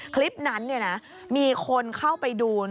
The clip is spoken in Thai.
คลิปนั้นเนี่ยนะมีคนเข้าไปดู